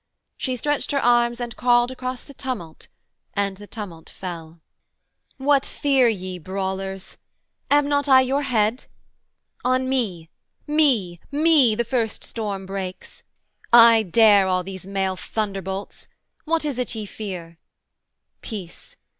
She stretched her arms and called Across the tumult and the tumult fell. 'What fear ye, brawlers? am not I your Head? On me, me, me, the storm first breaks: I dare All these male thunderbolts: what is it ye fear? Peace!